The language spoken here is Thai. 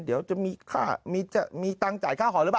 เดี๋ยวจะมีตังค์จ่ายค่าหอหรือเปล่า